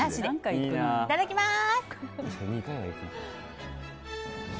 いただきます。